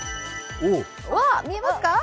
わっ、見えますか？